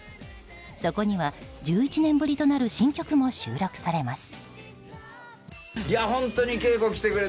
そこには１１年ぶりとなる新曲も収録されます。